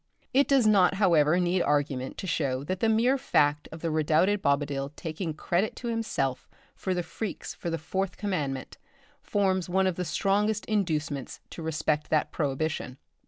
It does not however need argument to show that the mere fact of the redoubted Bobadil taking credit to himself for his freaks with the fourth commandment, forms one of the strongest inducements to respect that prohibition.